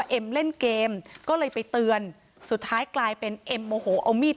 แต่ก็เหมือนกับว่าจะไปดูของเพื่อนแล้วก็ค่อยทำส่งครูลักษณะประมาณนี้นะคะ